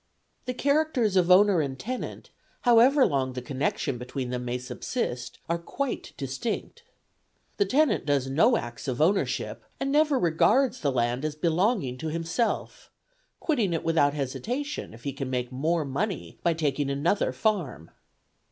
The characters of owner and tenant, however long the connection between them may subsist, are quite distinct. The tenant does no acts of ownership, and never regards the land as belonging to himself, quitting it without hesitation if he can make more money by taking another farm.